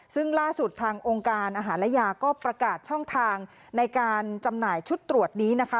ซึ่งล่าสุดทางองค์การอาหารและยาก็ประกาศช่องทางในการจำหน่ายชุดตรวจนี้นะคะ